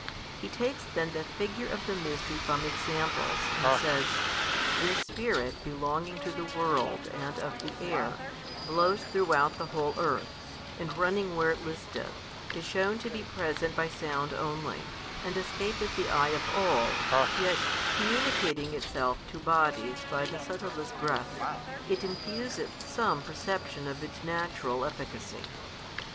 He takes then the figure of the mystery from examples, and says, This spirit belonging to the world and |170 of the air, blows throughout the whole earth, and running where it listeth, is shewn to be present by sound only, and escapeth the eye of all, yet, communicating itself to bodies by the subtlest breaths, it infuseth some perception of its natural efficacy.